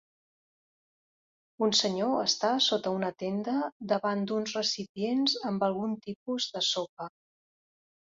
Un senyor està sota una tenda davant d'uns recipients amb algun tipus de sopa.